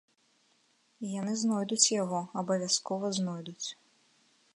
І яны знойдуць яго, абавязкова знойдуць.